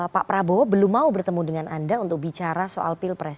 pak prabowo belum mau bertemu dengan anda untuk bicara soal pilpres